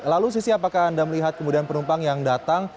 lalu sisi apakah anda melihat kemudian penumpang yang datang